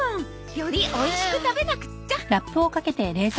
よりおいしく食べなくっちゃ。